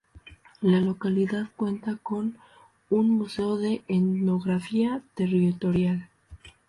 La localidad cuenta con un museo de etnografía territorial.